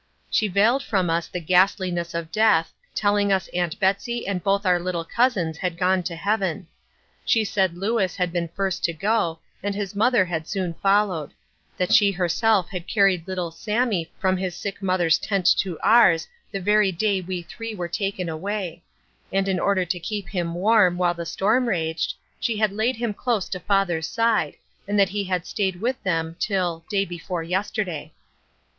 She veiled from us the ghastliness of death, telling us Aunt Betsy and both our little cousins had gone to heaven. She said Lewis had been first to go, and his mother had soon followed; that she herself had carried little Sammie from his sick mother's tent to ours the very day we three were taken away; and in order to keep him warm while the storm raged, she had laid him close to father's side, and that he had stayed with them until "day before yesterday."